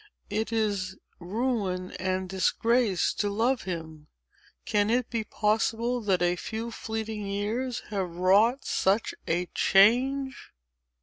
It is ruin and disgrace to love him. Can it be possible that a few fleeting years have wrought such a change!"